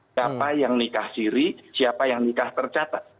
siapa yang nikah siri siapa yang nikah tercatat